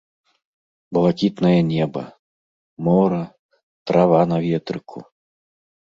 Блакітнае неба, мора, трава на ветрыку.